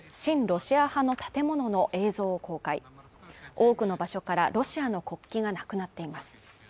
ロシア派の建物の映像を公開多くの場所からロシアの国旗が無くなっています